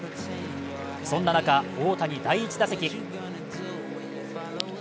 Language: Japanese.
そんな中、大谷、第１打席。